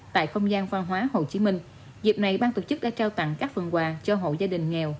tại không gian văn hóa hồ chí minh dịp này bang tổ chức đã trao tặng các phần quà cho hộ gia đình nghèo